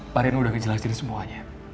palingan udah ngejelasin semuanya